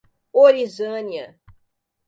Orizânia